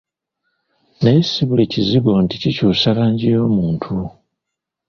Naye si buli kizigo nti kikyusa langi y'omuntu.